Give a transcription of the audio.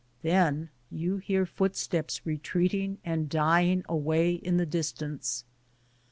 Then you hear footsteps retreating and dying away in the distance.